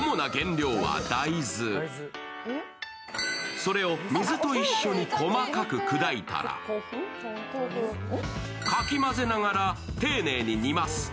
それを水と一緒に細かく砕いたら、かき混ぜながら丁寧に煮ます。